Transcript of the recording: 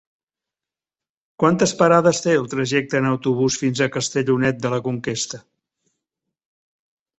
Quantes parades té el trajecte en autobús fins a Castellonet de la Conquesta?